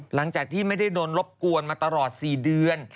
หลังจากที่ไม่ได้โดนรบกวนมาตลอด๔เดือน